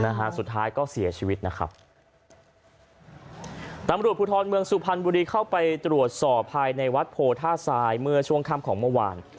นะฮะสุดท้ายก็เสียชีวิตนะครับตำรวจภูทรเมืองสุพรรณบุรีเข้าไปตรวจสอบภายในวัดโพท่าทรายเมื่อช่วงค่ำของเมื่อวาน